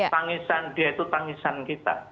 tangisan dia itu tangisan kita